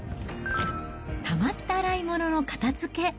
たまった洗い物の片づけ。